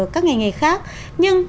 các ngành nghề khác nhưng